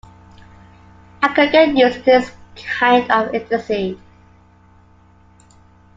I could get used to this kind of ecstasy.